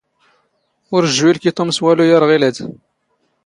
ⵓⵔ ⵊⵊⵓ ⵉⵍⴽⵉ ⵜⵓⵎ ⵙ ⵡⴰⵍⵓ ⴰⵔ ⵖⵉⵍⴰⴷ.